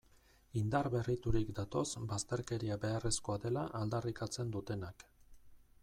Indar berriturik datoz bazterkeria beharrezkoa dela aldarrikatzen dutenak.